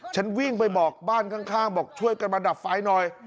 ฉันวิ่งไปบอกบ้านข้างบอกช่วยกันมาดับไฟหน่อย